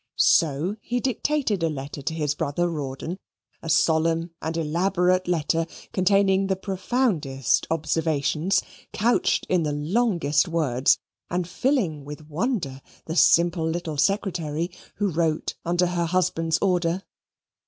So he dictated a letter to his brother Rawdon a solemn and elaborate letter, containing the profoundest observations, couched in the longest words, and filling with wonder the simple little secretary, who wrote under her husband's order.